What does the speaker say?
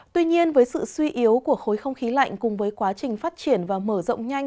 tuy nhiên với sự suy yếu của khối không khí lạnh cùng với quá trình phát triển và mở rộng nhanh